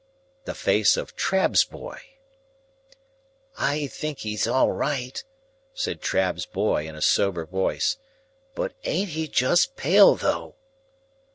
The face of Trabb's boy! "I think he's all right!" said Trabb's boy, in a sober voice; "but ain't he just pale though!"